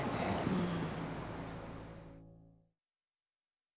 うん。